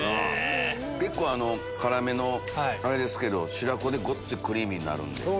結構辛めのあれですけど白子でごっついクリーミーになるんで。